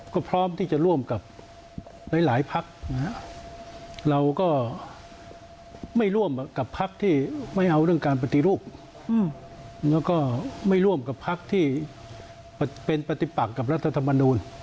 ก็พร้อมที่จะร่วมกับหลายพักนะฮะเราก็ไม่ร่วมกับพักที่ไม่เอาเรื่องการปฏิรูปแล้วก็ไม่ร่วมกับพักที่เป็นปฏิปักกับรัฐธรรมนูล